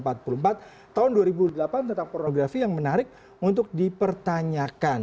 tahun dua ribu empat tahun dua ribu delapan tentang pornografi yang menarik untuk dipertanyakan